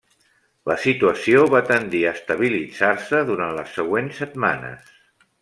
La situació va tendir a estabilitzar-se durant les següents setmanes.